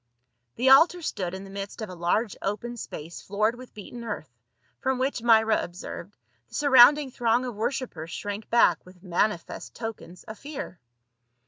The altar stood in the midst of a large open space floored with beaten earth, from which, Myra observed, the surrounding throng of worshipers shrank back with manifest tokens of fear.